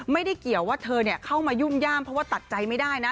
ไม่ได้เกี่ยวว่าเธอเข้ามายุ่มย่ามเพราะว่าตัดใจไม่ได้นะ